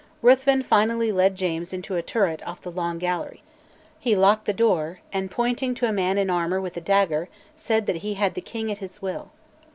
Ruthven finally led James into a turret off the long gallery; he locked the door, and pointing to a man in armour with a dagger, said that he "had the king at his will."